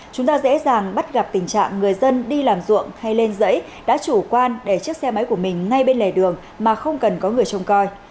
chúng ta dễ dàng bắt gặp tình trạng người dân đi làm ruộng hay lên giấy đã chủ quan để chiếc xe máy của mình ngay bên lề đường mà không cần có người trông coi